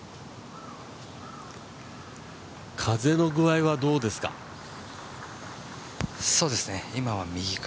風の具合はどうですか。